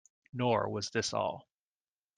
Nor was this all.